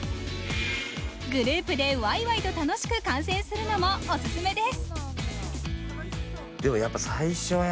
グループでワイワイと楽しく観戦するのもお勧めです。